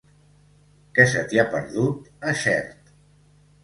Què se t'hi ha perdut, a Xert?